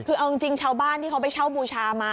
คือเอาจริงชาวบ้านที่เขาไปเช่าบูชามา